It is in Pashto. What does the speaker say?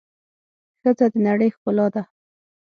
ښځه د د نړۍ ښکلا ده.